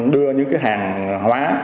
đưa những hàng hóa